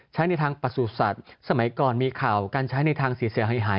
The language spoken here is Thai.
ใช้ในทางปรัสุสัจสมัยก่อนมีข่าวการใช้ในทางเสีอเสียหาย